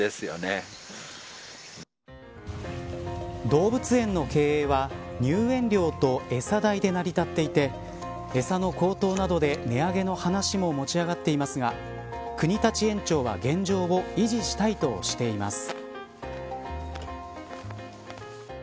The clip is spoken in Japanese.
動物園の経営は入園料と餌代で成り立っていて餌の高騰などで値上げの話も持ち上がっていますが國立縁長は現状を維持したいとしています。